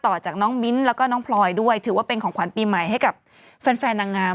จากน้องมิ้นท์แล้วก็น้องพลอยด้วยถือว่าเป็นของขวัญปีใหม่ให้กับแฟนแฟนนางงาม